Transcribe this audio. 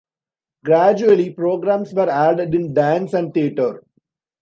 Gradually programs were added in dance and theater.